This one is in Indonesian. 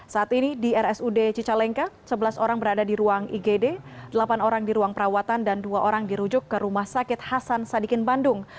saat ini di rsud cicalengka sebelas orang berada di ruang igd delapan orang di ruang perawatan dan dua orang dirujuk ke rumah sakit hasan sadikin bandung